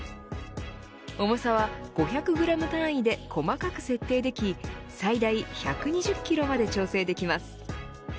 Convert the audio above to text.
重さは５００グラム単位で細かく設定でき最大１２０キロまで調整できます。